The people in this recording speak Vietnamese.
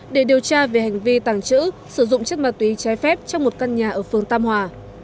để điều tra về hành vi tàng trữ sử dụng chất ma túy trái phép trong một căn nhà ở phường tam hòa